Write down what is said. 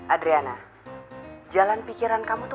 adriana jalan pikiran kamu tuh